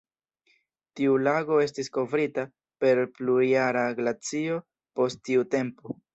Tiu lago estis kovrita per plurjara glacio post tiu tempo.